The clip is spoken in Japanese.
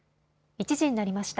１時になりました。